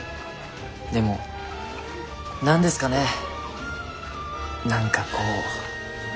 でも何ですかね何かこう。